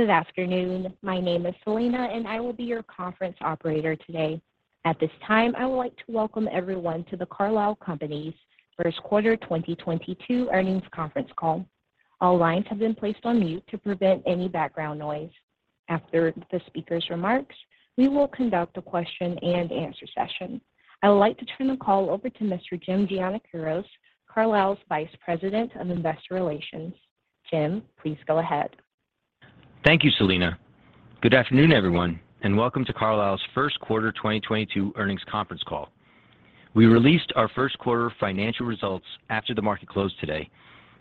Good afternoon. My name is Selena, and I will be your conference operator today. At this time, I would like to welcome everyone to the Carlisle Companies first quarter 2022 earnings conference call. All lines have been placed on mute to prevent any background noise. After the speaker's remarks, we will conduct a question-and-answer session. I would like to turn the call over to Mr. Jim Giannakouros, Carlisle's Vice President of Investor Relations. Jim, please go ahead. Thank you, Selena. Good afternoon, everyone, and welcome to Carlisle's first quarter 2022 earnings conference call. We released our first quarter financial results after the market closed today,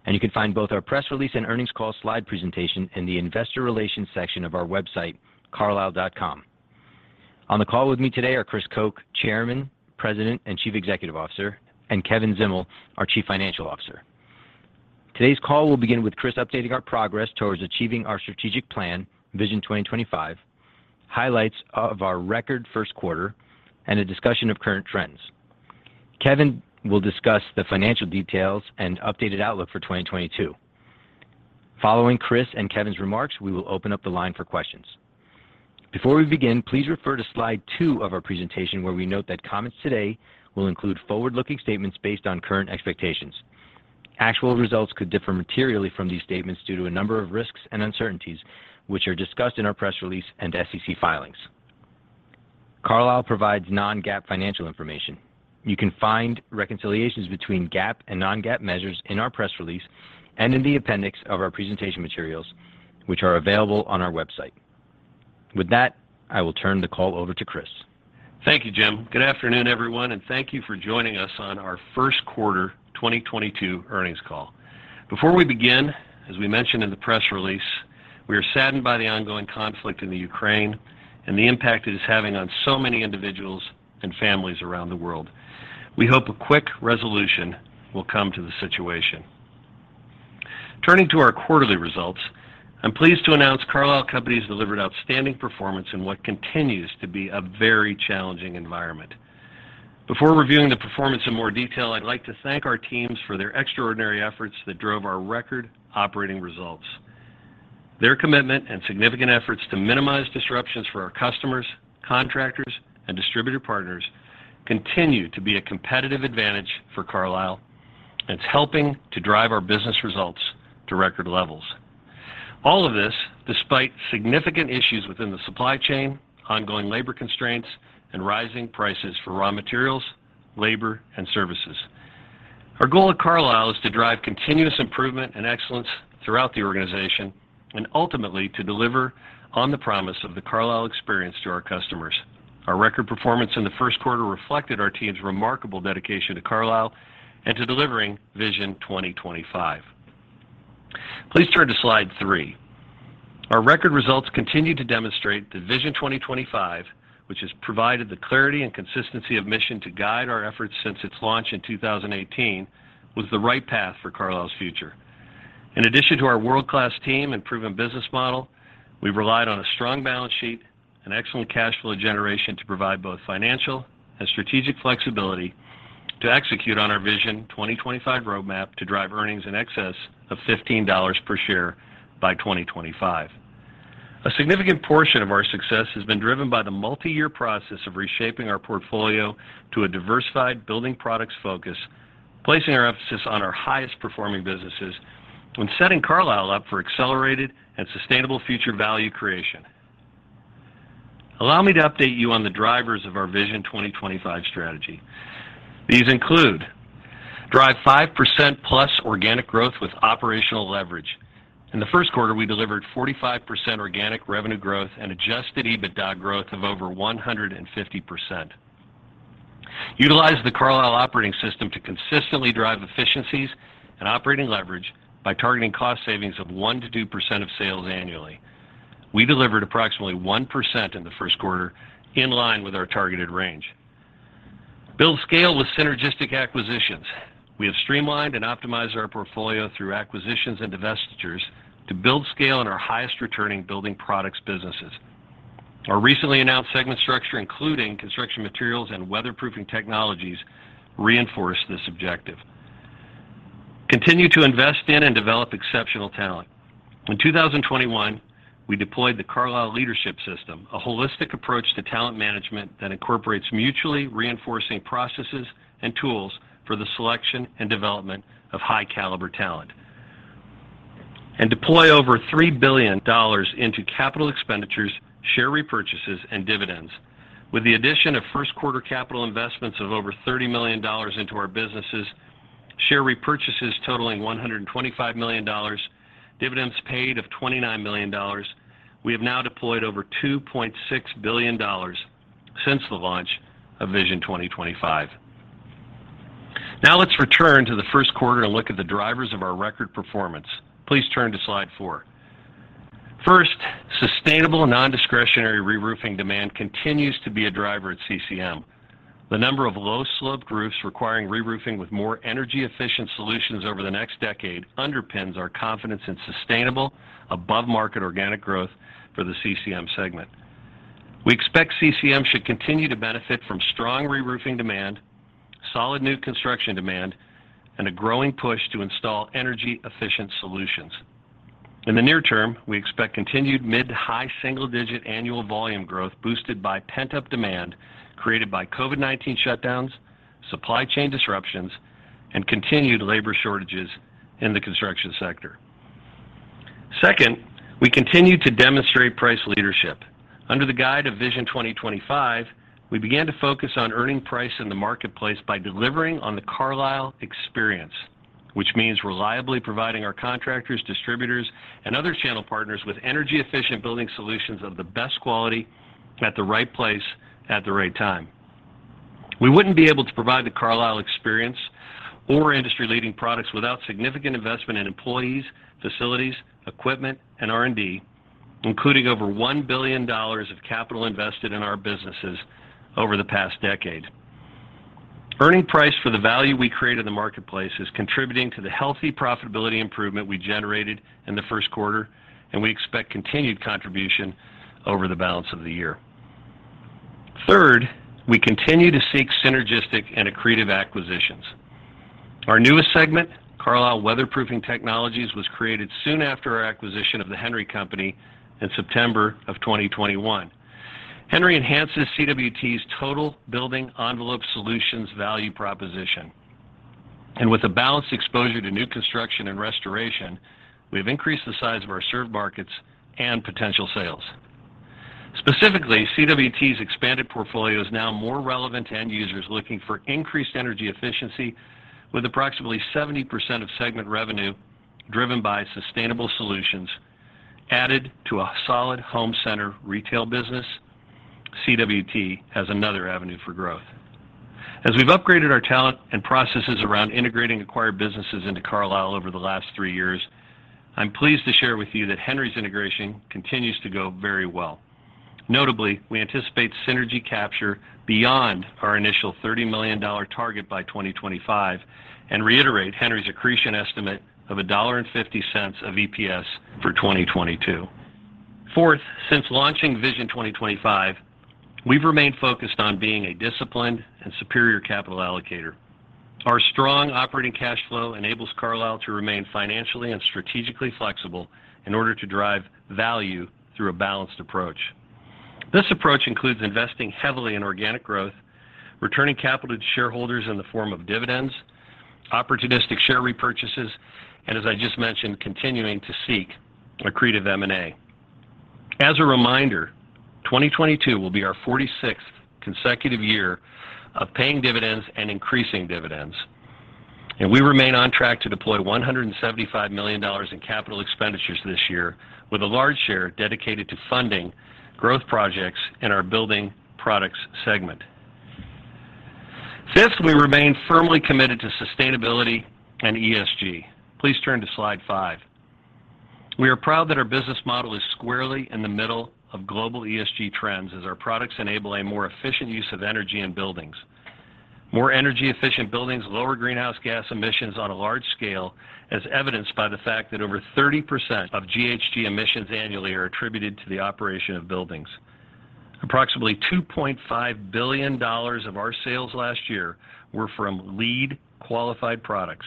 and you can find both our press release and earnings call slide presentation in the investor relations section of our website, carlisle.com. On the call with me today are Chris Koch, Chairman, President, and Chief Executive Officer, and Kevin Zdimal, our Chief Financial Officer. Today's call will begin with Chris updating our progress towards achieving our strategic plan, Vision 2025, highlights of our record first quarter, and a discussion of current trends. Kevin will discuss the financial details and updated outlook for 2022. Following Chris and Kevin's remarks, we will open up the line for questions. Before we begin, please refer to slide 2 of our presentation, where we note that comments today will include forward-looking statements based on current expectations. Actual results could differ materially from these statements due to a number of risks and uncertainties, which are discussed in our press release and SEC filings. Carlisle provides non-GAAP financial information. You can find reconciliations between GAAP and non-GAAP measures in our press release and in the appendix of our presentation materials, which are available on our website. With that, I will turn the call over to Chris. Thank you, Jim. Good afternoon, everyone, and thank you for joining us on our first quarter 2022 earnings call. Before we begin, as we mentioned in the press release, we are saddened by the ongoing conflict in the Ukraine and the impact it is having on so many individuals and families around the world. We hope a quick resolution will come to the situation. Turning to our quarterly results, I'm pleased to announce Carlisle Companies delivered outstanding performance in what continues to be a very challenging environment. Before reviewing the performance in more detail, I'd like to thank our teams for their extraordinary efforts that drove our record operating results. Their commitment and significant efforts to minimize disruptions for our customers, contractors, and distributor partners continue to be a competitive advantage for Carlisle, and it's helping to drive our business results to record levels. All of this despite significant issues within the supply chain, ongoing labor constraints, and rising prices for raw materials, labor, and services. Our goal at Carlisle is to drive continuous improvement and excellence throughout the organization and ultimately to deliver on the promise of the Carlisle Experience to our customers. Our record performance in the first quarter reflected our team's remarkable dedication to Carlisle and to delivering Vision 2025. Please turn to slide 3. Our record results continue to demonstrate that Vision 2025, which has provided the clarity and consistency of mission to guide our efforts since its launch in 2018, was the right path for Carlisle's future. In addition to our world-class team and proven business model, we've relied on a strong balance sheet and excellent cash flow generation to provide both financial and strategic flexibility to execute on our Vision 2025 roadmap to drive earnings in excess of $15 per share by 2025. A significant portion of our success has been driven by the multi-year process of reshaping our portfolio to a diversified building products focus, placing our emphasis on our highest performing businesses and setting Carlisle up for accelerated and sustainable future value creation. Allow me to update you on the drivers of our Vision 2025 strategy. These include drive 5%+ organic growth with operational leverage. In the first quarter, we delivered 45% organic revenue growth and adjusted EBITDA growth of over 150%. Utilize the Carlisle Operating System to consistently drive efficiencies and operating leverage by targeting cost savings of 1%-2% of sales annually. We delivered approximately 1% in the first quarter, in line with our targeted range. Build scale with synergistic acquisitions. We have streamlined and optimized our portfolio through acquisitions and divestitures to build scale in our highest returning building products businesses. Our recently announced segment structure, including construction maerials and weatherproofing technologies, reinforce this objective. Continue to invest in and develop exceptional talent. In 2021, we deployed the Carlisle Leadership System, a holistic approach to talent management that incorporates mutually reinforcing processes and tools for the selection and development of high caliber talent. Deploy over $3 billion into capital expenditures, share repurchases, and dividends. With the addition of first quarter capital investments of over $30 million into our businesses, share repurchases totaling $125 million, dividends paid of $29 million, we have now deployed over $2.6 billion since the launch of Vision 2025. Now let's return to the first quarter and look at the drivers of our record performance. Please turn to slide 4. First, sustainable non-discretionary reroofing demand continues to be a driver at CCM. The number of low-sloped roofs requiring reroofing with more energy-efficient solutions over the next decade underpins our confidence in sustainable above-market organic growth for the CCM segment. We expect CCM should continue to benefit from strong reroofing demand, solid new construction demand, and a growing push to install energy-efficient solutions. In the near term, we expect continued mid- to high single-digit annual volume growth boosted by pent-up demand created by COVID-19 shutdowns, supply chain disruptions, and continued labor shortages in the construction sector. Second, we continue to demonstrate price leadership. Under the guidance of Vision 2025, we began to focus on earning price in the marketplace by delivering on the Carlisle Experience, which means reliably providing our contractors, distributors, and other channel partners with energy-efficient building solutions of the best quality at the right place at the right time. We wouldn't be able to provide the Carlisle Experience or industry-leading products without significant investment in employees, facilities, equipment, and R&D, including over $1 billion of capital invested in our businesses over the past decade. Pricing for the value we create in the marketplace is contributing to the healthy profitability improvement we generated in the first quarter, and we expect continued contribution over the balance of the year. Third, we continue to seek synergistic and accretive acquisitions. Our newest segment, Carlisle Weatherproofing Technologies, was created soon after our acquisition of the Henry Company in September 2021. Henry enhances CWT's total building envelope solutions value proposition. With a balanced exposure to new construction and restoration, we have increased the size of our served markets and potential sales. Specifically, CWT's expanded portfolio is now more relevant to end users looking for increased energy efficiency with approximately 70% of segment revenue driven by sustainable solutions added to a solid home center retail business. CWT has another avenue for growth. As we've upgraded our talent and processes around integrating acquired businesses into Carlisle over the last three years, I'm pleased to share with you that Henry's integration continues to go very well. Notably, we anticipate synergy capture beyond our initial $30 million target by 2025 and reiterate Henry's accretion estimate of $1.50 of EPS for 2022. Fourth, since launching Vision 2025, we've remained focused on being a disciplined and superior capital allocator. Our strong operating cash flow enables Carlisle to remain financially and strategically flexible in order to drive value through a balanced approach. This approach includes investing heavily in organic growth, returning capital to shareholders in the form of dividends, opportunistic share repurchases, and as I just mentioned, continuing to seek accretive M&A. As a reminder, 2022 will be our 46th consecutive year of paying dividends and increasing dividends. We remain on track to deploy $175 million in capital expenditures this year with a large share dedicated to funding growth projects in our building products segment. Fifth, we remain firmly committed to sustainability and ESG. Please turn to slide 5. We are proud that our business model is squarely in the middle of global ESG trends as our products enable a more efficient use of energy in buildings. More energy-efficient buildings lower greenhouse gas emissions on a large scale, as evidenced by the fact that over 30% of GHG emissions annually are attributed to the operation of buildings. Approximately $2.5 billion of our sales last year were from LEED qualified products.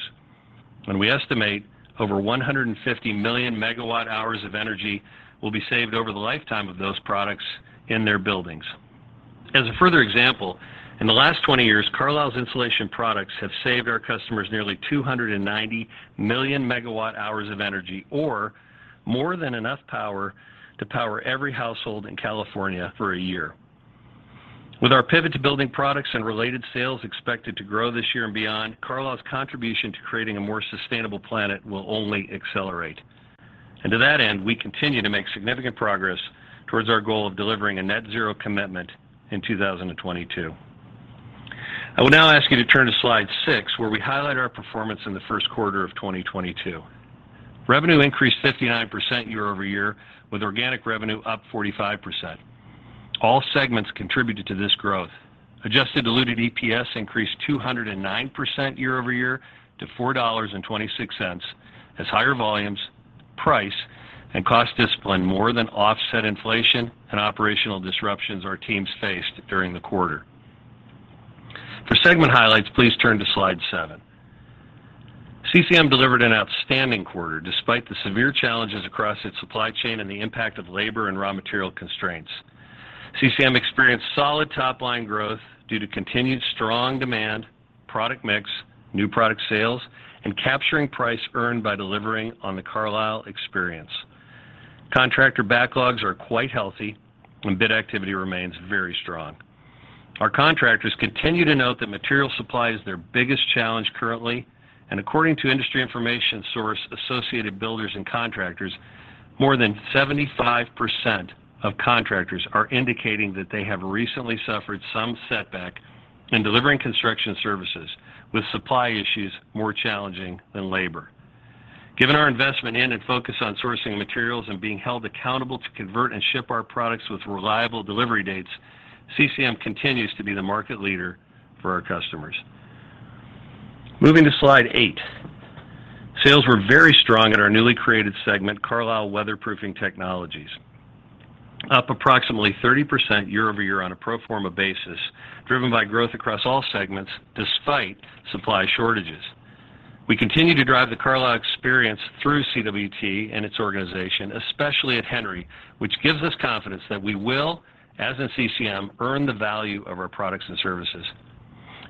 We estimate over 150 million MWh of energy will be saved over the lifetime of those products in their buildings. As a further example, in the last 20 years, Carlisle's insulation products have saved our customers nearly 290 million megawatt hours of energy or more than enough power to power every household in California for a year. With our pivot to building products and related sales expected to grow this year and beyond, Carlisle's contribution to creating a more sustainable planet will only accelerate. To that end, we continue to make significant progress towards our goal of delivering a net zero commitment in 2022. I will now ask you to turn to slide 6, where we highlight our performance in the first quarter of 2022. Revenue increased 59% year-over-year, with organic revenue up 45%. All segments contributed to this growth. Adjusted diluted EPS increased 209% year-over-year to $4.26 as higher volumes, price, and cost discipline more than offset inflation and operational disruptions our teams faced during the quarter. For segment highlights, please turn to slide 7. CCM delivered an outstanding quarter despite the severe challenges across its supply chain and the impact of labor and raw material constraints. CCM experienced solid top line growth due to continued strong demand, product mix, new product sales, and capturing price earned by delivering on the Carlisle Experience. Contractor backlogs are quite healthy and bid activity remains very strong. Our contractors continue to note that material supply is their biggest challenge currently. According to industry information source, Associated Builders and Contractors, more than 75% of contractors are indicating that they have recently suffered some setback in delivering construction services with supply issues more challenging than labor. Given our investment in and focus on sourcing materials and being held accountable to convert and ship our products with reliable delivery dates, CCM continues to be the market leader for our customers. Moving to slide 8. Sales were very strong at our newly created segment, Carlisle Weatherproofing Technologies. Up approximately 30% year-over-year on a pro forma basis, driven by growth across all segments despite supply shortages. We continue to drive the Carlisle Experience through CWT and its organization, especially at Henry, which gives us confidence that we will, as in CCM, earn the value of our products and services.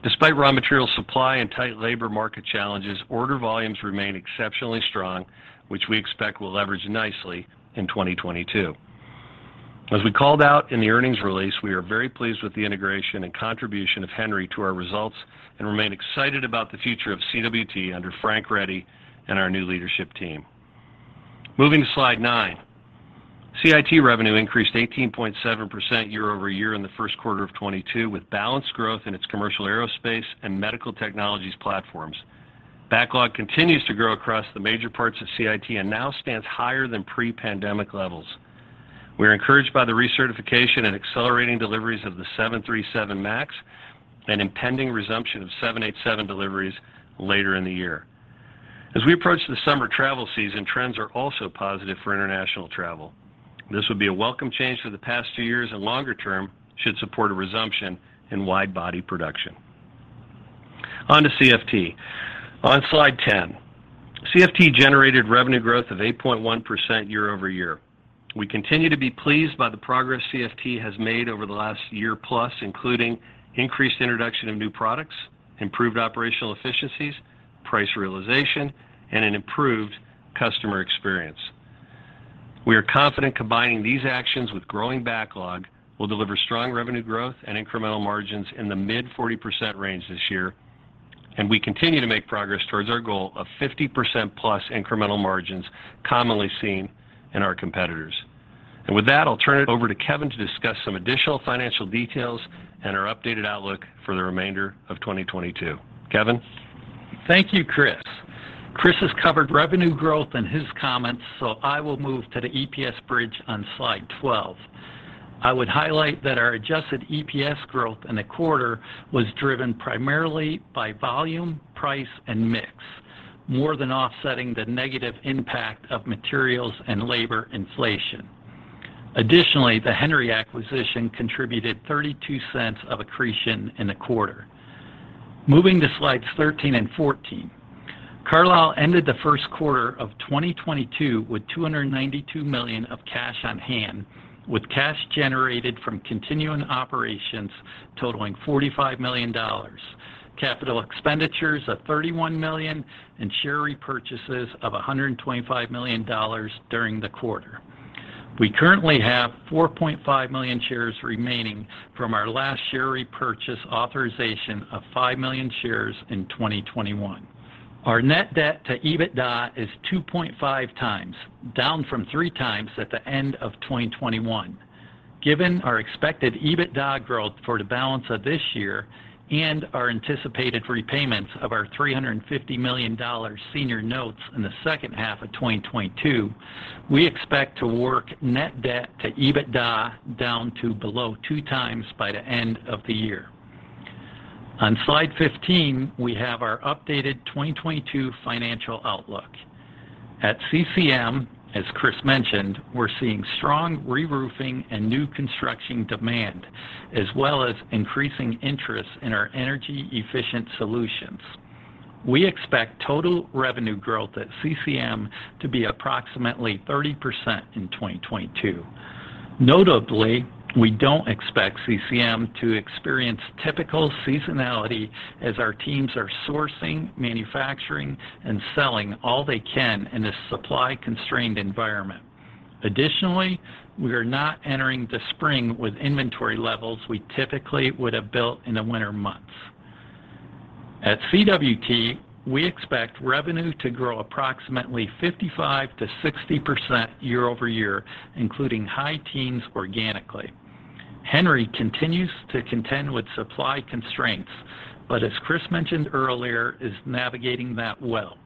Despite raw material supply and tight labor market challenges, order volumes remain exceptionally strong, which we expect will leverage nicely in 2022. As we called out in the earnings release, we are very pleased with the integration and contribution of Henry to our results and remain excited about the future of CWT under Frank Ready and our new leadership team. Moving to slide 9. CIT revenue increased 18.7% year-over-year in the first quarter of 2022, with balanced growth in its commercial aerospace and medical technologies platforms. Backlog continues to grow across the major parts of CIT and now stands higher than pre-pandemic levels. We are encouraged by the recertification and accelerating deliveries of the 737 MAX and impending resumption of 787 deliveries later in the year. As we approach the summer travel season, trends are also positive for international travel. This would be a welcome change for the past two years and longer term should support a resumption in wide body production. On to CFT. On slide ten. CFT generated revenue growth of 8.1% year-over-year. We continue to be pleased by the progress CFT has made over the last year plus, including increased introduction of new products, improved operational efficiencies, price realization, and an improved customer experience. We are confident combining these actions with growing backlog will deliver strong revenue growth and incremental margins in the mid-40% range this year, and we continue to make progress towards our goal of 50%+ incremental margins commonly seen in our competitors. With that, I'll turn it over to Kevin to discuss some additional financial details and our updated outlook for the remainder of 2022. Kevin? Thank you, Chris. Chris has covered revenue growth in his comments, so I will move to the EPS bridge on slide 12. I would highlight that our adjusted EPS growth in the quarter was driven primarily by volume, price and mix, more than offsetting the negative impact of materials and labor inflation. Additionally, the Henry acquisition contributed $0.32 of accretion in the quarter. Moving to slides 13 and 14. Carlisle ended the first quarter of 2022 with $292 million of cash on hand, with cash generated from continuing operations totaling $45 million, capital expenditures of $31 million, and share repurchases of $125 million during the quarter. We currently have 4.5 million shares remaining from our last share repurchase authorization of 5 million shares in 2021. Our net debt to EBITDA is 2.5 times, down from 3 times at the end of 2021. Given our expected EBITDA growth for the balance of this year and our anticipated repayments of our $350 million senior notes in the second half of 2022, we expect to work net debt to EBITDA down to below 2 times by the end of the year. On slide 15, we have our updated 2022 financial outlook. At CCM, as Chris mentioned, we're seeing strong reroofing and new construction demand, as well as increasing interest in our energy efficient solutions. We expect total revenue growth at CCM to be approximately 30% in 2022. Notably, we don't expect CCM to experience typical seasonality as our teams are sourcing, manufacturing, and selling all they can in a supply constrained environment. We are not entering the spring with inventory levels we typically would have built in the winter months. At CWT, we expect revenue to grow approximately 55%-60% year-over-year, including high teens organically. Henry continues to contend with supply constraints, but as Chris mentioned earlier, is navigating that well.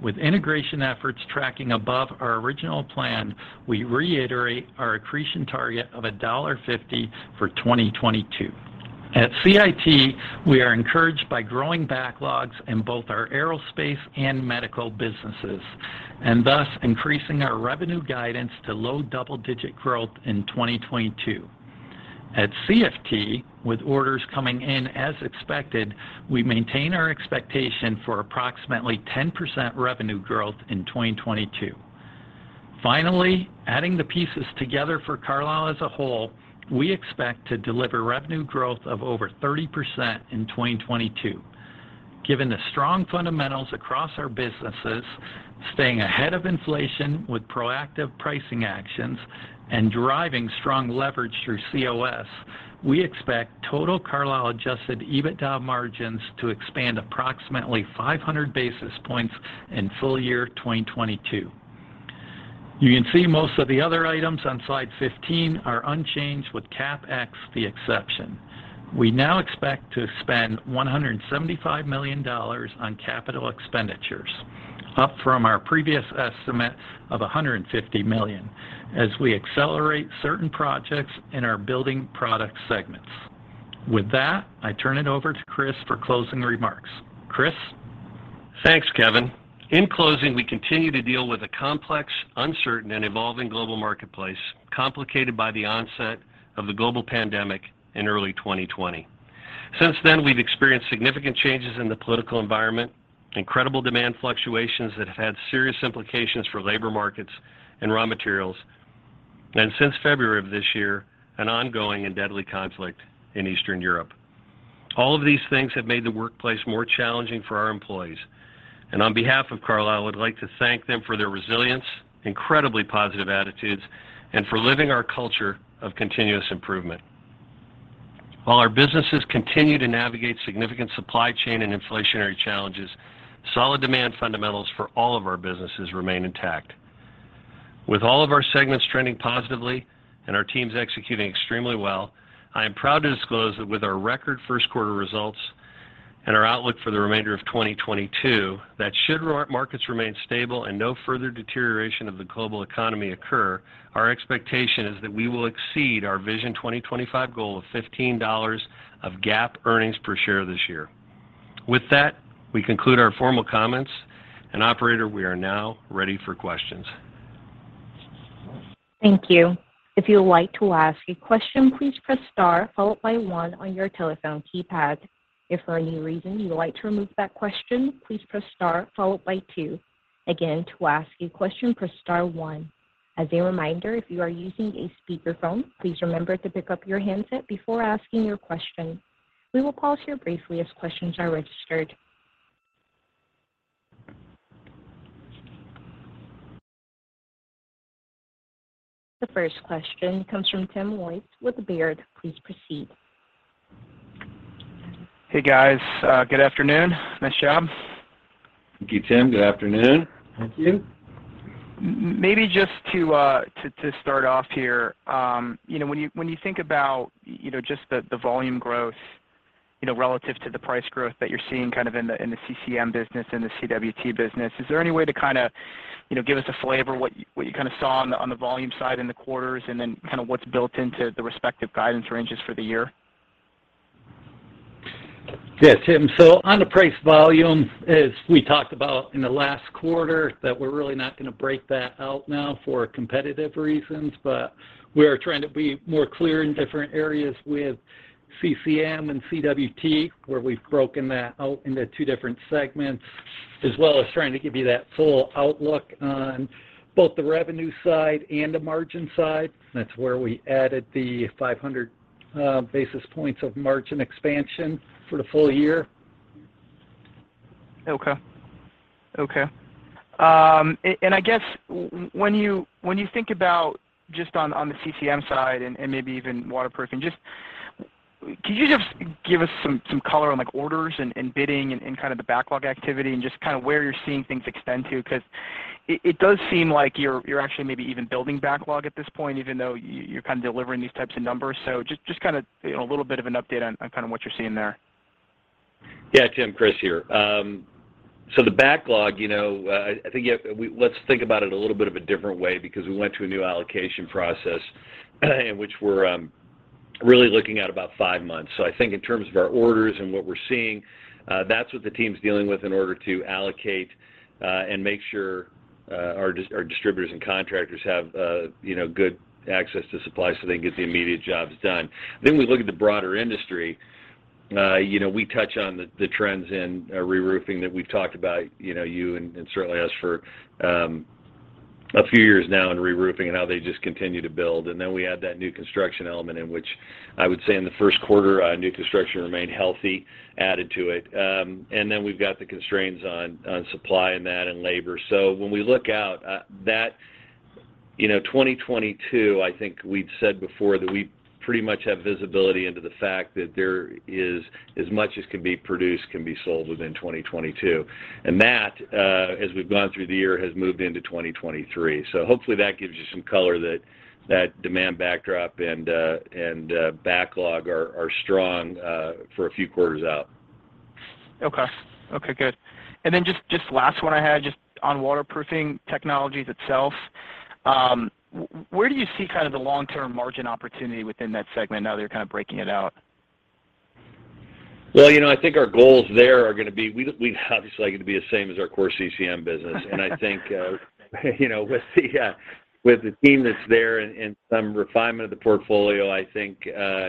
With integration efforts tracking above our original plan, we reiterate our accretion target of $1.50 for 2022. At CIT, we are encouraged by growing backlogs in both our aerospace and medical businesses, and thus increasing our revenue guidance to low double-digit growth in 2022. At CFT, with orders coming in as expected, we maintain our expectation for approximately 10% revenue growth in 2022. Finally, adding the pieces together for Carlisle as a whole, we expect to deliver revenue growth of over 30% in 2022. Given the strong fundamentals across our businesses, staying ahead of inflation with proactive pricing actions and driving strong leverage through COS, we expect total Carlisle adjusted EBITDA margins to expand approximately 500 basis points in full year 2022. You can see most of the other items on slide 15 are unchanged with CapEx the exception. We now expect to spend $175 million on capital expenditures. Up from our previous estimate of $150 million as we accelerate certain projects in our building product segments. With that, I turn it over to Chris for closing remarks. Chris? Thanks, Kevin. In closing, we continue to deal with a complex, uncertain, and evolving global marketplace, complicated by the onset of the global pandemic in early 2020. Since then, we've experienced significant changes in the political environment, incredible demand fluctuations that have had serious implications for labor markets and raw materials. Since February of this year, an ongoing and deadly conflict in Eastern Europe. All of these things have made the workplace more challenging for our employees. On behalf of Carlisle, I would like to thank them for their resilience, incredibly positive attitudes, and for living our culture of continuous improvement. While our businesses continue to navigate significant supply chain and inflationary challenges, solid demand fundamentals for all of our businesses remain intact. With all of our segments trending positively and our teams executing extremely well, I am proud to disclose that with our record first quarter results and our outlook for the remainder of 2022, that should our markets remain stable and no further deterioration of the global economy occur, our expectation is that we will exceed our Vision 2025 goal of $15 of GAAP earnings per share this year. With that, we conclude our formal comments, and operator, we are now ready for questions. Thank you. If you would like to ask a question, please press star followed by one on your telephone keypad. If for any reason you would like to remove that question, please press star followed by two. Again, to ask a question, press star one. As a reminder, if you are using a speakerphone, please remember to pick up your handset before asking your question. We will pause here briefly as questions are registered. The first question comes from Tim Wojs with Baird. Please proceed. Hey, guys. Good afternoon. Nice job. Thank you, Tim. Good afternoon. Thank you. Maybe just to start off here, you know, when you think about, you know, just the volume growth, you know, relative to the price growth that you're seeing kind of in the CCM business, in the CWT business, is there any way to kinda, you know, give us a flavor what you kinda saw on the volume side in the quarters and then kinda what's built into the respective guidance ranges for the year? Yes, Tim. On the price volume, as we talked about in the last quarter, that we're really not gonna break that out now for competitive reasons, but we are trying to be more clear in different areas with CCM and CWT, where we've broken that out into two different segments, as well as trying to give you that full outlook on both the revenue side and the margin side. That's where we added the 500 basis points of margin expansion for the full year. Okay. And I guess when you think about just on the CCM side and maybe even waterproofing, just can you give us some color on like orders and bidding and kind of the backlog activity and just kind of where you're seeing things extend to? Because it does seem like you're actually maybe even building backlog at this point, even though you're kind of delivering these types of numbers. Just kinda, you know, a little bit of an update on kinda what you're seeing there. Yeah, Tim. Chris here. The backlog, you know, I think let's think about it a little bit of a different way because we went through a new allocation process, and which we're really looking at about five months. I think in terms of our orders and what we're seeing, that's what the team's dealing with in order to allocate and make sure our distributors and contractors have, you know, good access to supply so they can get the immediate jobs done. We look at the broader industry, you know, we touch on the trends in reroofing that we've talked about, you know, you and certainly us for a few years now in reroofing and how they just continue to build. We add that new construction element in which I would say in the first quarter, new construction remained healthy, added to it. We've got the constraints on supply and that and labor. When we look out, you know, 2022, I think we've said before that we pretty much have visibility into the fact that there is, as much as can be produced, can be sold within 2022. That, as we've gone through the year, has moved into 2023. Hopefully that gives you some color that demand backdrop and backlog are strong for a few quarters out. Okay. Okay, good. Then just last one I had just on Weatherproofing Technologies itself, where do you see kind of the long-term margin opportunity within that segment now that you're kind of breaking it out? Well, you know, I think our goals there are gonna be. We obviously are gonna be the same as our core CCM business. I think, you know, with the team that's there and some refinement of the portfolio, I think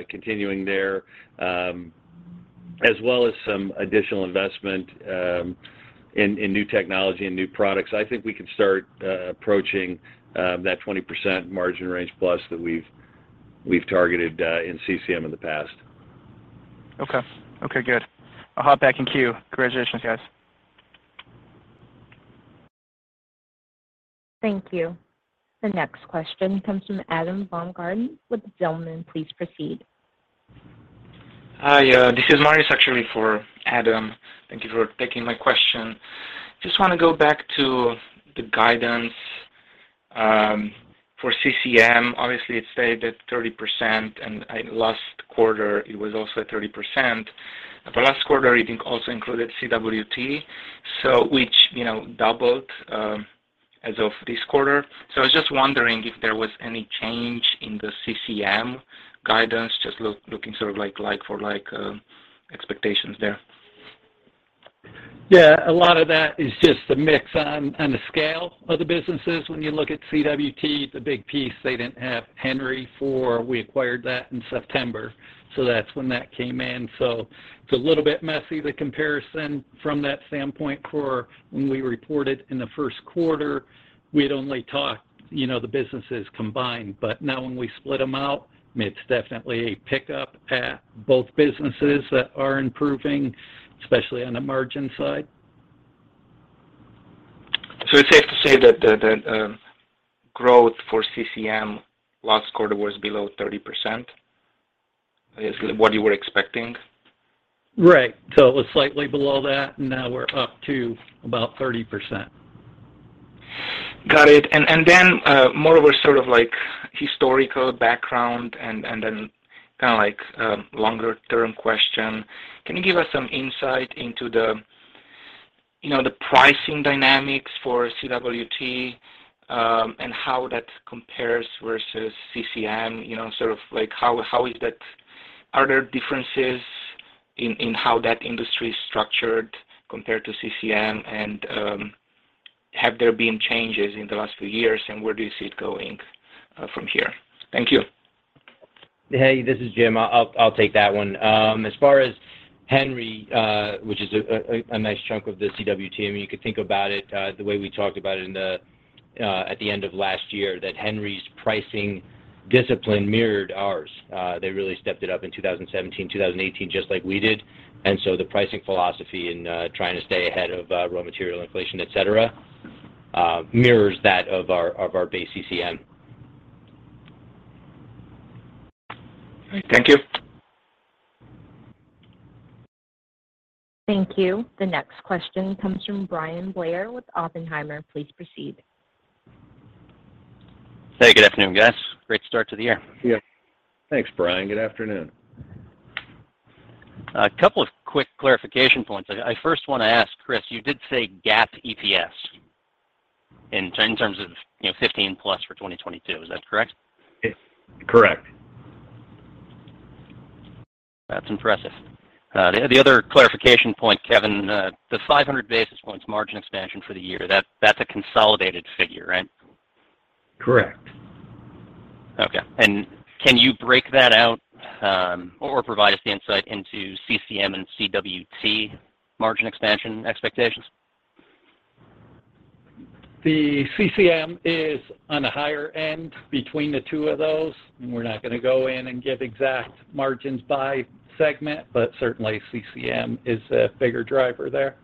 continuing there, as well as some additional investment in new technology and new products, I think we can start approaching that 20% margin range plus that we've targeted in CCM in the past. Okay. Okay, good. I'll hop back in queue. Congratulations, guys. Thank you. The next question comes from Adam Baumgarten with Zelman. Please proceed. Hi, this is Marius actually for Adam. Thank you for taking my question. Just wanna go back to the guidance, for CCM, obviously it stayed at 30%, and last quarter it was also at 30%. But last quarter, I think, also included CWT, so which, you know, doubled, as of this quarter. I was just wondering if there was any change in the CCM guidance, just looking sort of like for like expectations there. Yeah. A lot of that is just the mix on the scale of the businesses. When you look at CWT, the big piece, they didn't have Henry. We acquired that in September, that's when that came in. It's a little bit messy, the comparison from that standpoint for when we reported in the first quarter, we had only talked, you know, the businesses combined. Now when we split them out, I mean, it's definitely a pickup at both businesses that are improving, especially on the margin side. It's safe to say that the growth for CCM last quarter was below 30% is what you were expecting? Right. It was slightly below that, and now we're up to about 30%. Got it. More of a sort of like historical background and then kinda like longer term question. Can you give us some insight into the, you know, the pricing dynamics for CWT, and how that compares versus CCM? You know, sort of like Are there differences in how that industry is structured compared to CCM? Have there been changes in the last few years, and where do you see it going from here? Thank you. Hey, this is Jim. I'll take that one. As far as Henry, which is a nice chunk of the CWT, I mean, you could think about it the way we talked about it at the end of last year, that Henry's pricing discipline mirrored ours. They really stepped it up in 2017, 2018, just like we did. The pricing philosophy in trying to stay ahead of raw material inflation, et cetera, mirrors that of our base CCM. All right. Thank you. Thank you. The next question comes from Bryan Blair with Oppenheimer. Please proceed. Hey, good afternoon, guys. Great start to the year. Yeah. Thanks, Bryan. Good afternoon. A couple of quick clarification points. I first wanna ask, Chris, you did say GAAP EPS in terms of, you know, 15+ for 2022. Is that correct? Yes. Correct. That's impressive. The other clarification point, Kevin, the 500 basis points margin expansion for the year, that's a consolidated figure, right? Correct. Okay. Can you break that out, or provide us insight into CCM and CWT margin expansion expectations? The CCM is on the higher end between the two of those. We're not gonna go in and give exact margins by segment, but certainly CCM is a bigger driver there.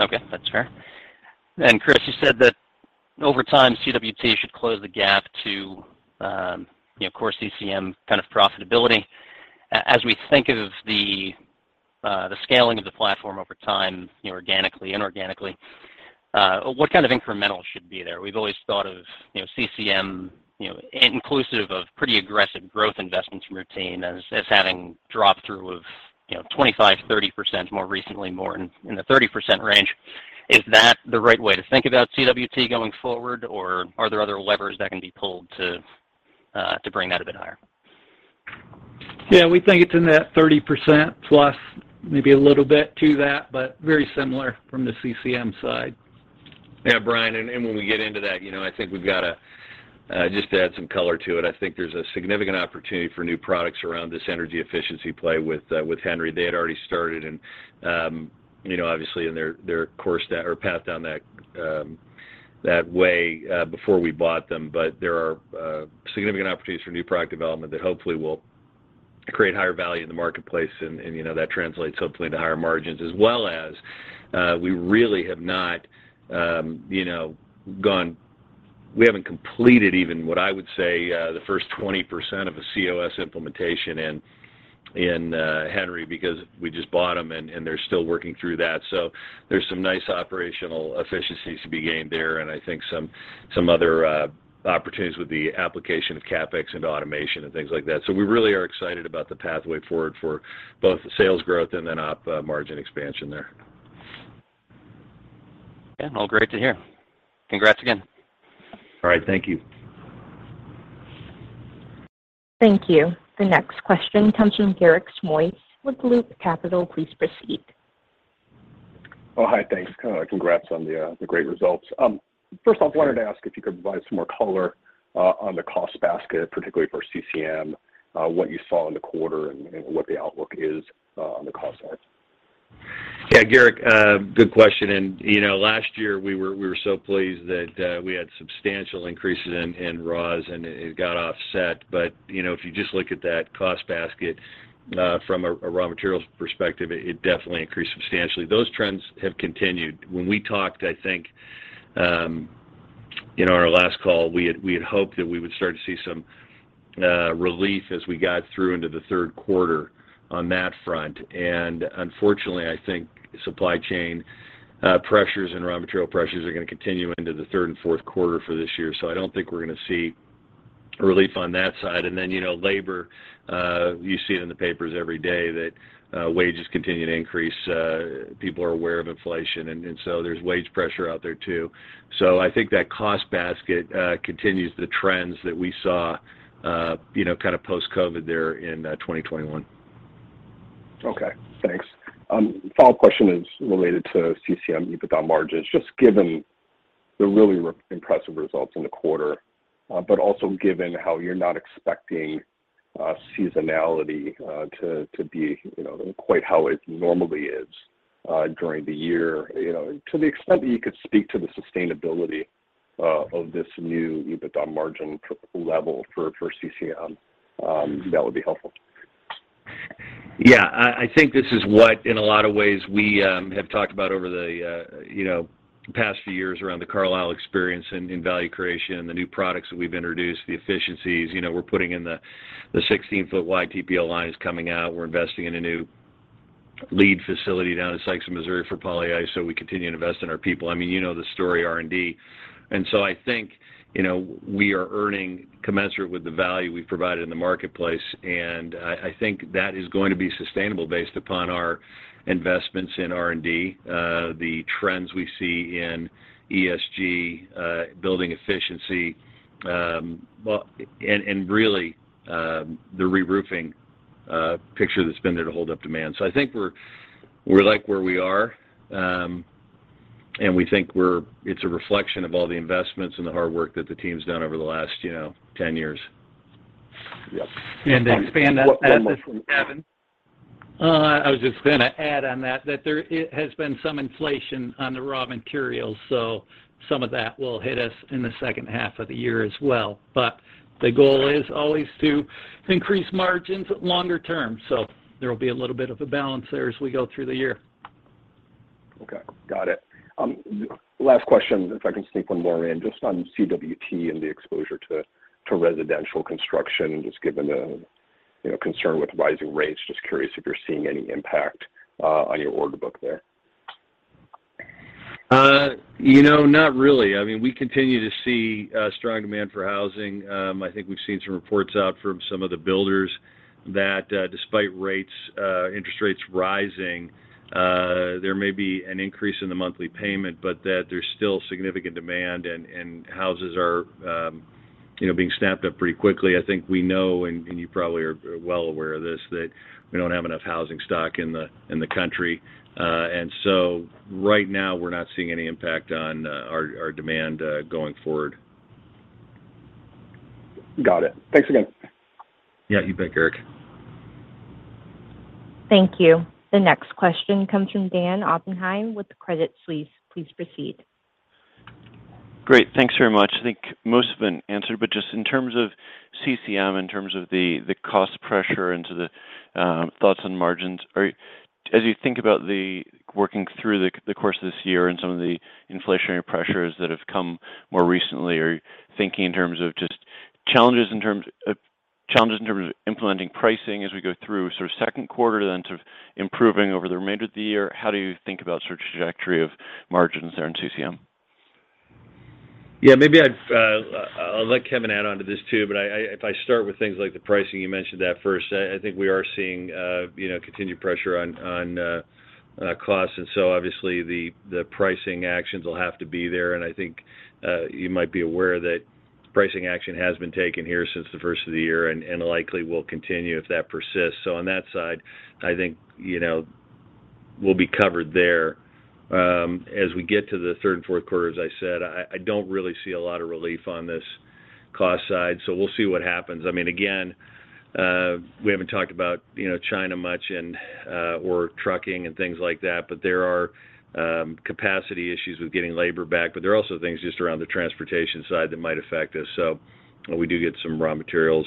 Okay. That's fair. Chris, you said that over time, CWT should close the gap to, you know, core CCM kind of profitability. As we think of the scaling of the platform over time, you know, organically, inorganically, what kind of incremental should be there? We've always thought of, you know, CCM, you know, inclusive of pretty aggressive growth investments from your team as having drop-through of, you know, 25, 30% more recently, more in the 30% range. Is that the right way to think about CWT going forward, or are there other levers that can be pulled to bring that a bit higher? Yeah. We think it's in that 30% plus maybe a little bit to that, but very similar from the CCM side. Yeah, Bryan. When we get into that, you know, I think we've got a just to add some color to it. I think there's a significant opportunity for new products around this energy efficiency play with Henry. They had already started and, you know, obviously in their course down or path down that way before we bought them. There are significant opportunities for new product development that hopefully will create higher value in the marketplace and, you know, that translates hopefully into higher margins. As well as, we haven't completed even what I would say the first 20% of a COS implementation in Henry because we just bought them and they're still working through that. There's some nice operational efficiencies to be gained there, and I think some other opportunities with the application of CapEx into automation and things like that. We really are excited about the pathway forward for both the sales growth and then op margin expansion there. Yeah. All great to hear. Congrats again. All right. Thank you. Thank you. The next question comes from Garik Shmois with Loop Capital. Please proceed. Oh, hi. Thanks. Congrats on the great results. First off. Sure. I wanted to ask if you could provide some more color on the cost basket, particularly for CCM, what you saw in the quarter and what the outlook is on the cost side. Yeah, Garik, good question. You know, last year we were so pleased that we had substantial increases in raws and it got offset. You know, if you just look at that cost basket from a raw materials perspective, it definitely increased substantially. Those trends have continued. When we talked, I think in our last call, we had hoped that we would start to see some relief as we got through into the third quarter on that front. Unfortunately, I think supply chain pressures and raw material pressures are gonna continue into the third and fourth quarter for this year. I don't think we're gonna see relief on that side. Then you know, labor you see it in the papers every day that wages continue to increase. People are aware of inflation, and so there's wage pressure out there too. I think that cost basket continues the trends that we saw, you know, kind of post-COVID there in 2021. Okay. Thanks. Follow-up question is related to CCM EBITDA margins. Just given the really impressive results in the quarter, but also given how you're not expecting seasonality to be, you know, quite how it normally is during the year, you know, to the extent that you could speak to the sustainability of this new EBITDA margin level for CCM, that would be helpful. Yeah. I think this is what, in a lot of ways, we have talked about over the, you know, past few years around The Carlisle Experience in value creation and the new products that we've introduced, the efficiencies. You know, we're putting in the 16-foot wide TPO line is coming out. We're investing in a new LEED facility down in Sikeston, Missouri for polyiso, so we continue to invest in our people. I mean, you know the story, R&D. I think, you know, we are earning commensurate with the value we've provided in the marketplace, and I think that is going to be sustainable based upon our investments in R&D, the trends we see in ESG, building efficiency, well, and really, the reroofing picture that's been there to hold up demand. I think we like where we are, and we think it's a reflection of all the investments and the hard work that the team's done over the last, you know, 10 years. Yep. To expand on that. One more. I was just gonna add on that there has been some inflation on the raw materials, so some of that will hit us in the second half of the year as well. The goal is always to increase margins longer term. There will be a little bit of a balance there as we go through the year. Okay. Got it. Last question, if I can sneak one more in, just on CWT and the exposure to residential construction, just given the, you know, concern with rising rates, just curious if you're seeing any impact on your order book there? You know, not really. I mean, we continue to see strong demand for housing. I think we've seen some reports out from some of the builders that despite interest rates rising, there may be an increase in the monthly payment, but that there's still significant demand and houses are, you know, being snapped up pretty quickly. I think we know, and you probably are well aware of this, that we don't have enough housing stock in the country. Right now we're not seeing any impact on our demand going forward. Got it. Thanks again. Yeah. You bet, Eric. Thank you. The next question comes from Dan Oppenheim with Credit Suisse. Please proceed. Great. Thanks very much. I think most have been answered, but just in terms of CCM, in terms of the cost pressure and to the thoughts on margins. As you think about working through the course of this year and some of the inflationary pressures that have come more recently, are you thinking in terms of just challenges in terms of implementing pricing as we go through sort of second quarter, then sort of improving over the remainder of the year? How do you think about sort of trajectory of margins there in CCM? Yeah. Maybe I'll let Kevin add onto this too, but I. If I start with things like the pricing, you mentioned that first, I think we are seeing, you know, continued pressure on costs. Obviously the pricing actions will have to be there. I think you might be aware that pricing action has been taken here since the first of the year and likely will continue if that persists. On that side, I think, you know, we'll be covered there. As we get to the third and fourth quarter, as I said, I don't really see a lot of relief on this cost side, so we'll see what happens. I mean, again, we haven't talked about, you know, China much and, or trucking and things like that, but there are, capacity issues with getting labor back, but there are also things just around the transportation side that might affect us. We do get some raw materials,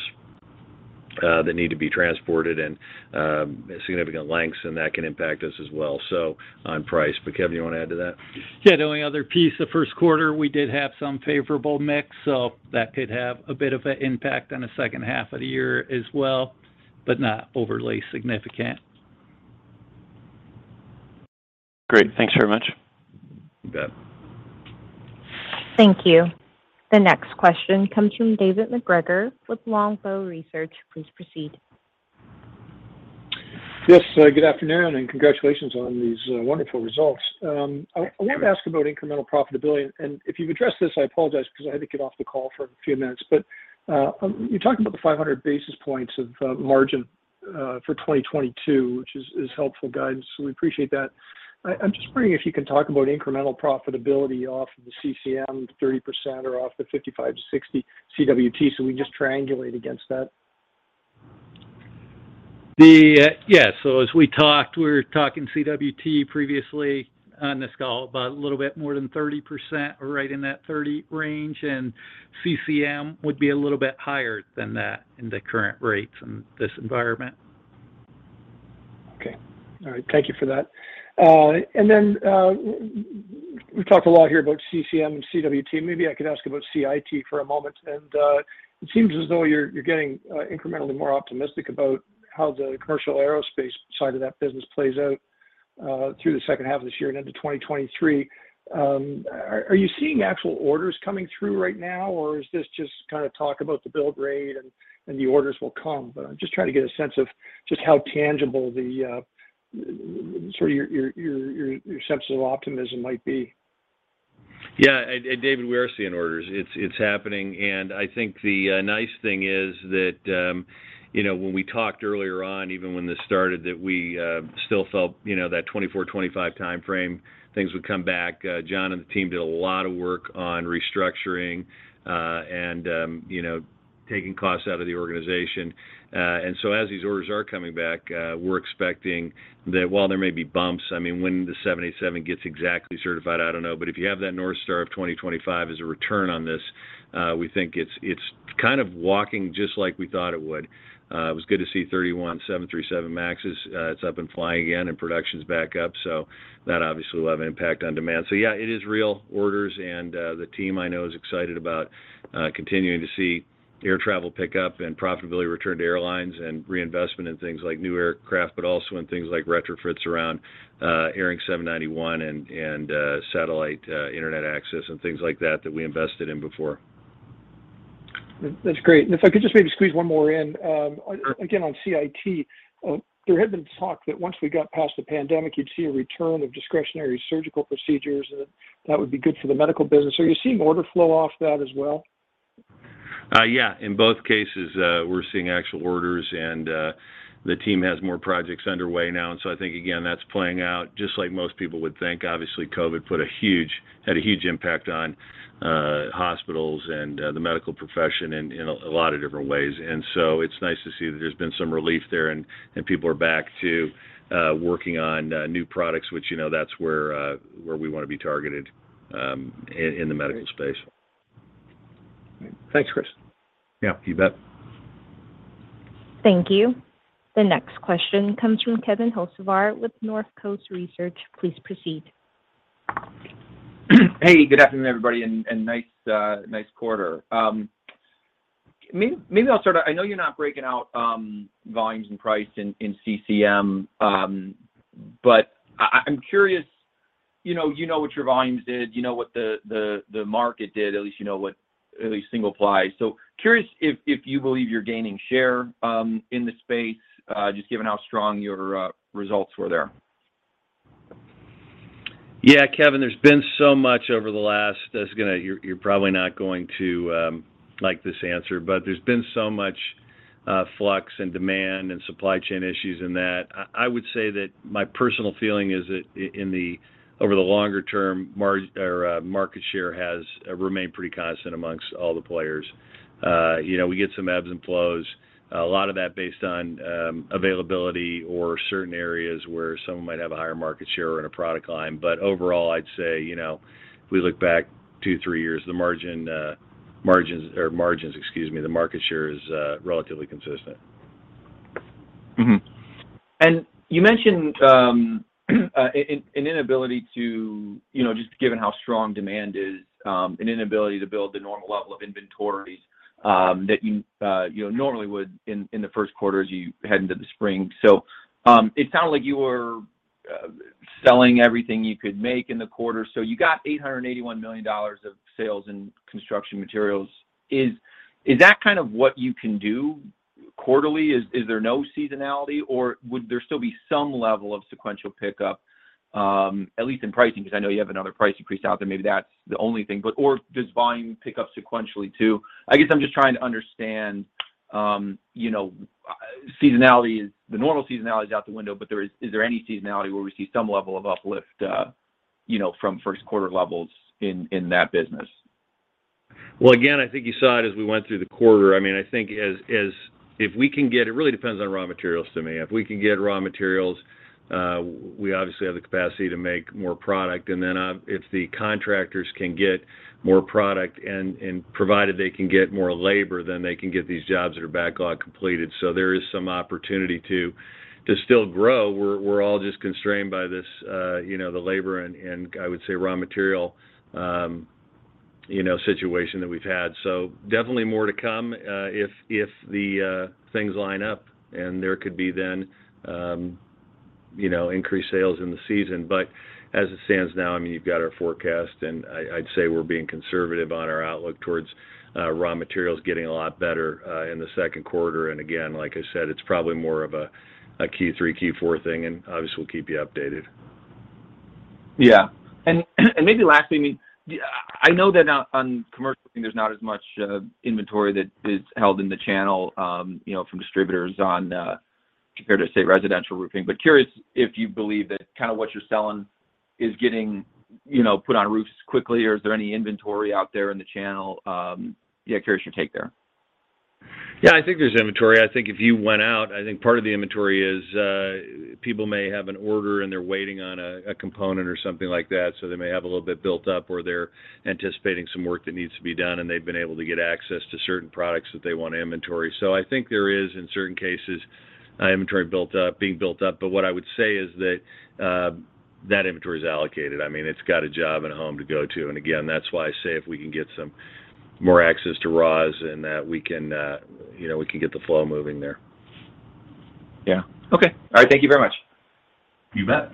that need to be transported and, significant lengths, and that can impact us as well, so on price. Kevin, you wanna add to that? Yeah. The only other piece, the first quarter, we did have some favorable mix, so that could have a bit of an impact on the second half of the year as well, but not overly significant. Great. Thanks very much. You bet. Thank you. The next question comes from David MacGregor with Longbow Research. Please proceed. Yes. Good afternoon and congratulations on these wonderful results. I wanted to ask about incremental profitability. If you've addressed this, I apologize because I had to get off the call for a few minutes. But you talked about the 500 basis points of margin for 2022, which is helpful guidance, so we appreciate that. I'm just wondering if you can talk about incremental profitability off of the CCM, the 30% or off the 55-60 CWT, so we just triangulate against that. As we talked, we were talking CWT previously on this call, about a little bit more than 30% or right in that 30 range. CCM would be a little bit higher than that in the current rates in this environment. Okay. All right. Thank you for that. We talked a lot here about CCM and CWT. Maybe I could ask about CIT for a moment. It seems as though you're getting incrementally more optimistic about how the commercial aerospace side of that business plays out through the second half of this year and into 2023. Are you seeing actual orders coming through right now, or is this just kinda talk about the build rate and the orders will come? I'm just trying to get a sense of just how tangible the sort of your sense of optimism might be. Yeah. David, we are seeing orders. It's happening. I think the nice thing is that you know, when we talked earlier on, even when this started, that we still felt you know, that 2024, 2025 time frame, things would come back. John and the team did a lot of work on restructuring and you know, taking costs out of the organization. As these orders are coming back, we're expecting that while there may be bumps, I mean, when the 787 gets exactly certified, I don't know. If you have that North Star of 2025 as a return on this, we think it's kind of walking just like we thought it would. It was good to see 31 737 MAXes, that's up and flying again, and production's back up. That obviously will have an impact on demand. Yeah, it is real orders. The team I know is excited about continuing to see air travel pick up and profitability return to airlines and reinvestment in things like new aircraft, but also in things like retrofits around ARINC 791 and satellite internet access and things like that that we invested in before. That's great. If I could just maybe squeeze one more in. Sure. Again, on CIT, there had been talk that once we got past the pandemic, you'd see a return of discretionary surgical procedures, and that would be good for the medical business. Are you seeing order flow off that as well? Yeah. In both cases, we're seeing actual orders, and the team has more projects underway now. I think, again, that's playing out just like most people would think. Obviously, COVID had a huge impact on hospitals and the medical profession in a lot of different ways. It's nice to see that there's been some relief there and people are back to working on new products, which, you know, that's where we wanna be targeted in the medical space. Thanks, Chris. Yeah, you bet. Thank you. The next question comes from Kevin Hocevar with Northcoast Research. Please proceed. Hey, good afternoon, everybody, and nice quarter. Maybe I'll start out, I know you're not breaking out volumes and price in CCM, but I'm curious, you know what your volumes did, you know what the market did, at least you know what at least single-ply. Curious if you believe you're gaining share in the space, just given how strong your results were there. Yeah, Kevin, you're probably not going to like this answer, but there's been so much flux and demand and supply chain issues in that. I would say that my personal feeling is that over the longer term, market share has remained pretty constant among all the players. You know, we get some ebbs and flows, a lot of that based on availability or certain areas where someone might have a higher market share in a product line. Overall, I'd say, you know, if we look back two, three years, the margins, excuse me, the market share is relatively consistent. You mentioned an inability to, you know, just given how strong demand is, an inability to build the normal level of inventories that you normally would in the first quarter as you head into the spring. It sounded like you were selling everything you could make in the quarter. You got $881 million of sales in construction materials. Is that kind of what you can do quarterly? Is there no seasonality, or would there still be some level of sequential pickup at least in pricing? 'Cause I know you have another price increase out there. Maybe that's the only thing. But or does volume pick up sequentially too? I guess I'm just trying to understand, you know, the normal seasonality is out the window, but is there any seasonality where we see some level of uplift, you know, from first quarter levels in that business? Well, again, I think you saw it as we went through the quarter. I mean, I think it really depends on raw materials to me. If we can get raw materials, we obviously have the capacity to make more product. Then, if the contractors can get more product and provided they can get more labor, then they can get these jobs that are backlog completed. There is some opportunity to still grow. We're all just constrained by this, you know, the labor and I would say raw material, you know, situation that we've had. Definitely more to come, if the things line up, and there could be then, you know, increased sales in the season. As it stands now, I mean, you've got our forecast, and I'd say we're being conservative on our outlook towards raw materials getting a lot better in the second quarter. Again, like I said, it's probably more of a Q3, Q4 thing, and obviously, we'll keep you updated. Maybe lastly, I mean, I know that on commercial thing, there's not as much inventory that is held in the channel, you know, from distributors on compared to, say, residential roofing. Curious if you believe that kinda what you're selling is getting, you know, put on roofs quickly, or is there any inventory out there in the channel. Yeah, curious your take there. Yeah, I think there's inventory. I think if you went out, I think part of the inventory is, people may have an order, and they're waiting on a component or something like that, so they may have a little bit built up, or they're anticipating some work that needs to be done, and they've been able to get access to certain products that they want to inventory. So I think there is, in certain cases, inventory built up, being built up. What I would say is that inventory is allocated. I mean, it's got a job and a home to go to. Again, that's why I say if we can get some more access to raws and that we can, you know, we can get the flow moving there. Yeah. Okay. All right. Thank you very much. You bet.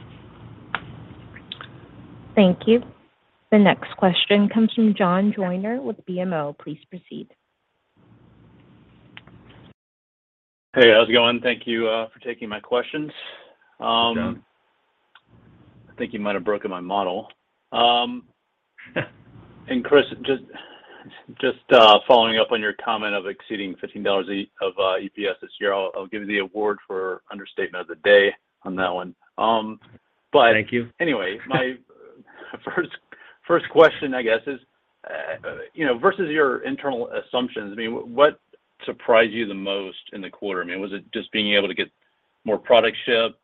Thank you. The next question comes from John Joyner with BMO. Please proceed. Hey, how's it going? Thank you for taking my questions. Hey, John. I think you might have broken my model. Chris, just following up on your comment on exceeding $15 EPS this year, I'll give you the award for understatement of the day on that one. Thank you. Anyway, my first question I guess is, you know, versus your internal assumptions, I mean, what surprised you the most in the quarter? I mean, was it just being able to get more product shipped?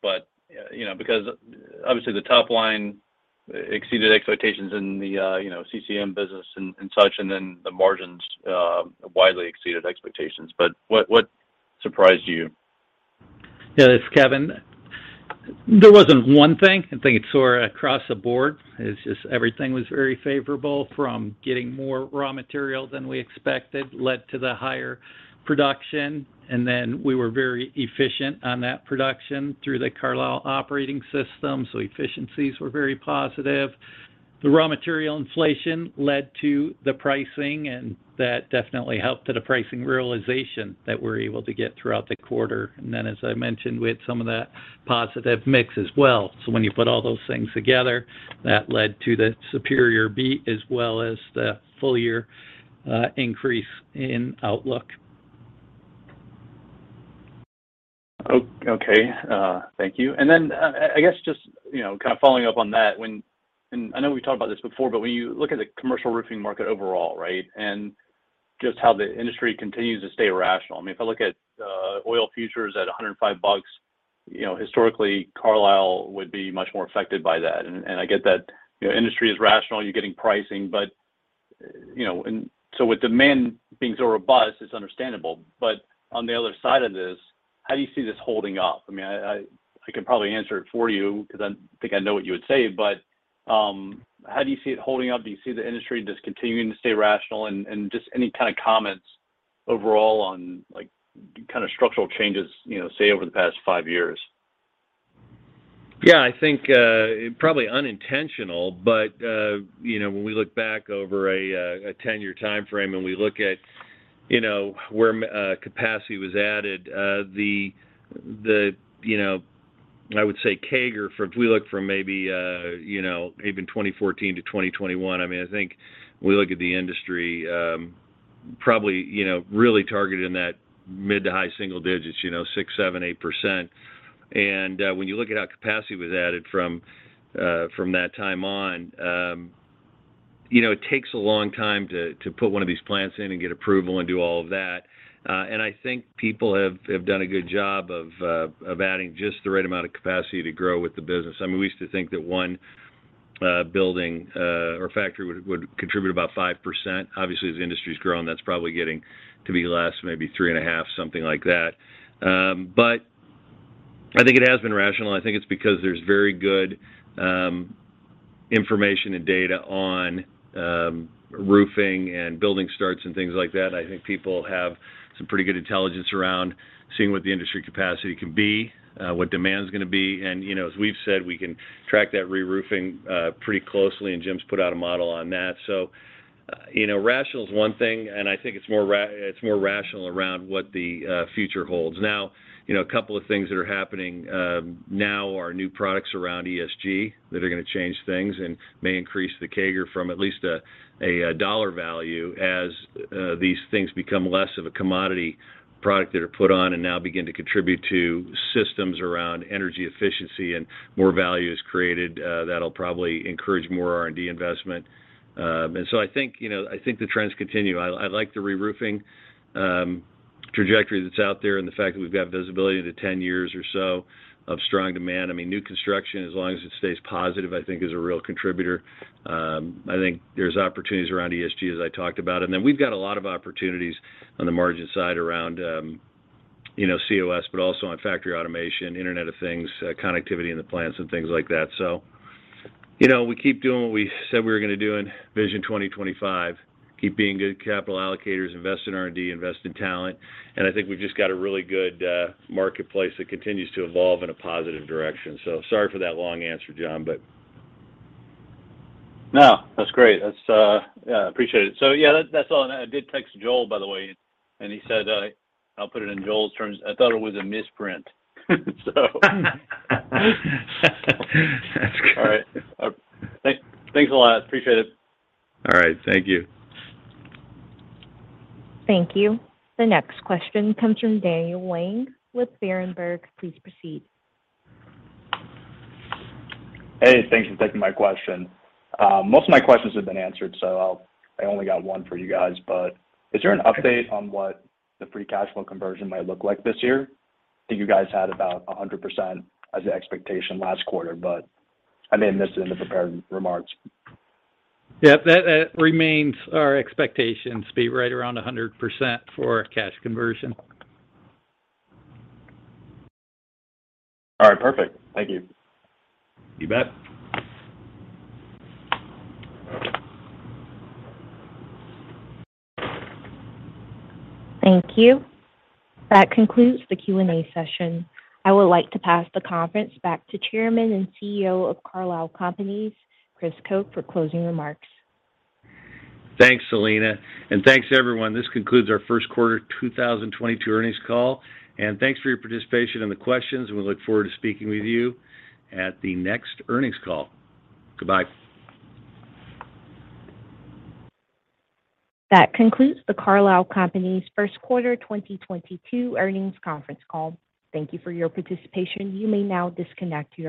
You know, because obviously, the top line exceeded expectations in the you know, CCM business and such, and then the margins widely exceeded expectations. What surprised you? Yeah, this is Kevin. There wasn't one thing. I think it was across the board. It's just everything was very favorable from getting more raw material than we expected, led to the higher production. We were very efficient on that production through the Carlisle Operating System. Efficiencies were very positive. The raw material inflation led to the pricing, and that definitely helped to the price realization that we're able to get throughout the quarter. As I mentioned, we had some of that positive mix as well. When you put all those things together, that led to the superior beat as well as the full year increase in outlook. Okay. Thank you. I guess just, you know, kind of following up on that when I know we talked about this before, but when you look at the commercial roofing market overall, right? Just how the industry continues to stay rational. I mean, if I look at oil futures at $105, you know, historically, Carlisle would be much more affected by that. I get that, you know, industry is rational, you're getting pricing. With demand being so robust, it's understandable. On the other side of this, how do you see this holding up? I mean, I could probably answer it for you because I think I know what you would say. How do you see it holding up? Do you see the industry just continuing to stay rational? Just any kind of comments overall on like kind of structural changes, you know, say, over the past five years? Yeah. I think probably unintentional. You know, when we look back over a ten-year timeframe and we look at, you know, where capacity was added, the you know, I would say CAGR from if we look from maybe, you know, even 2014 to 2021, I mean, I think when we look at the industry, probably, you know, really targeted in that mid to high single digits, you know, 6, 7, 8%. When you look at how capacity was added from that time on, you know, it takes a long time to put one of these plants in and get approval and do all of that. I think people have done a good job of adding just the right amount of capacity to grow with the business. I mean, we used to think that one building or factory would contribute about 5%. Obviously, as the industry's grown, that's probably getting to be less, maybe 3.5%, something like that. I think it has been rational. I think it's because there's very good information and data on roofing and building starts and things like that. I think people have some pretty good intelligence around seeing what the industry capacity can be, what demand is gonna be. You know, as we've said, we can track that reroofing pretty closely, and Jim's put out a model on that. You know, rational is one thing, and I think it's more rational around what the future holds. Now, you know, a couple of things that are happening now are new products around ESG that are gonna change things and may increase the CAGR from at least a dollar value as these things become less of a commodity product that are put on and now begin to contribute to systems around energy efficiency and more value is created, that'll probably encourage more R&D investment. I think, you know, the trends continue. I like the reroofing trajectory that's out there and the fact that we've got visibility to 10 years or so of strong demand. I mean, new construction, as long as it stays positive, I think is a real contributor. I think there's opportunities around ESG, as I talked about. Then we've got a lot of opportunities on the margin side around, you know, COS, but also on factory automation, Internet of Things, connectivity in the plants and things like that. You know, we keep doing what we said we were gonna do in Vision 2025. Keep being good capital allocators, invest in R&D, invest in talent. I think we've just got a really good marketplace that continues to evolve in a positive direction. Sorry for that long answer, John, but. No, that's great. Yeah, I appreciate it. Yeah, that's all. I did text Joel, by the way, and he said, I'll put it in Joel's terms, "I thought it was a misprint. That's great. All right. Thanks a lot. Appreciate it. All right. Thank you. Thank you. The next question comes from Daniel Wang with Berenberg. Please proceed. Hey, thanks for taking my question. Most of my questions have been answered, so I only got one for you guys. Is there an update on what the free cash flow conversion might look like this year? I think you guys had about 100% as the expectation last quarter, but I may have missed it in the prepared remarks. Yeah. That remains our expectations, be right around 100% for cash conversion. All right. Perfect. Thank you. You bet. Thank you. That concludes the Q&A session. I would like to pass the conference back to Chairman and CEO of Carlisle Companies, Chris Koch, for closing remarks. Thanks, Selena. Thanks, everyone. This concludes our first quarter 2022 earnings call. Thanks for your participation in the questions, and we look forward to speaking with you at the next earnings call. Goodbye. That concludes the Carlisle Companies' first quarter 2022 earnings conference call. Thank you for your participation. You may now disconnect your.